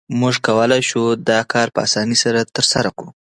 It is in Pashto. موږ کولای شو دا کار په اسانۍ ترسره کړو